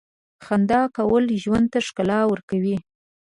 • خندا کول ژوند ته ښکلا ورکوي.